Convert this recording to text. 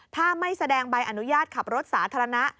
ถ้าไม่แสดงใบอนุญาตขับรถสาธารณะ